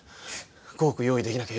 ５億用意できなきゃ優